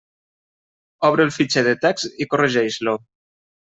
Obre el fitxer de text i corregeix-lo.